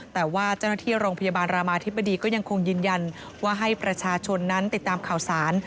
แต่ว่าเจ้าหน้าที่โรงพยาบาลรามาธิบดีก็ยังคงยืนยันว่าให้ประชาชนนั้นติดตามข่าวสาร